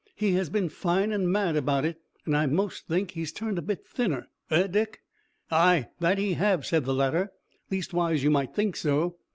He has been fine and mad about it, and I 'most think he's turned a bit thinner, eh, Dick?" "Ay, that he have," said the latter. "Leastwise you might think so."